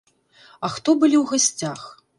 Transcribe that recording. А хто былі ў гасцях?